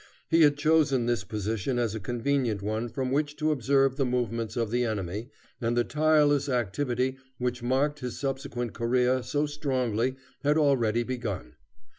He had chosen this position as a convenient one from which to observe the movements of the enemy, and the tireless activity which marked his subsequent career so strongly had already begun.